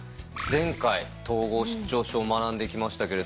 前回統合失調症を学んできましたけれども。